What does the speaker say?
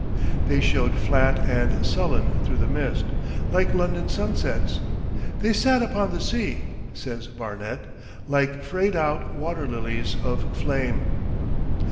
They showed flat and sullen through the mist, like London sunsets. 'They sat upon the sea,' says Barnet, 'like frayed out waterlilies of flame.